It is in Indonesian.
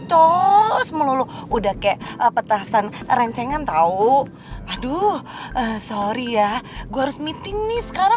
terus melulu udah kayak petasan rencengan tahu aduh sorry ya gue harus meeting nih sekarang